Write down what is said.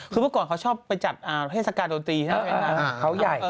คือเมื่อก่อนเขาชอบไปจัดเทศกาลโดรตีใช่ไหม